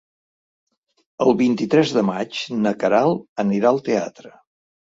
El vint-i-tres de maig na Queralt anirà al teatre.